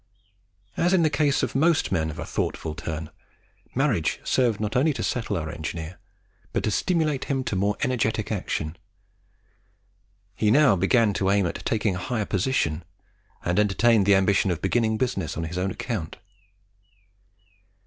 As in the case of most men of a thoughtful turn, marriage served not only to settle our engineer, but to stimulate him to more energetic action. He now began to aim at taking a higher position, and entertained the ambition of beginning business on his own account.